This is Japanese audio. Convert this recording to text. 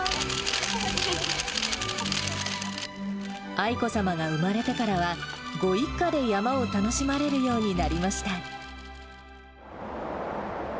愛子さまが生まれてからは、ご一家で山を楽しまれるようになりました。